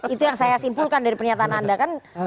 itu yang saya simpulkan dari pernyataan anda kan